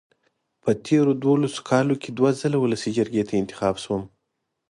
په تېرو دولسو کالو کې دوه ځله ولسي جرګې ته انتخاب شوم.